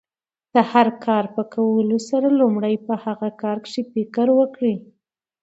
د هر کار په کولو سره، لومړی په هغه کار کښي فکر وکړئ!